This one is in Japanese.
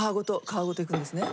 皮ごといくんですね。